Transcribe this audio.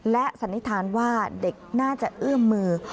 และสันนิษฐานว่าเด็กน่าจะเอื้อมมือ